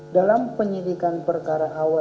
dalam penyidikan perkara awal